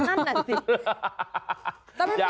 นั่นแหละสิ